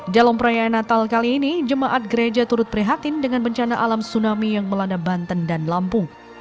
dalam perayaan natal kali ini jemaat gereja turut prihatin dengan bencana alam tsunami yang melanda banten dan lampung